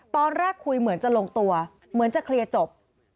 ตอนแรกคุยเหมือนจะลงตัวเหมือนจะเคลียร์จบ